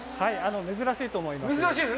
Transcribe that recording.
珍しいと思います。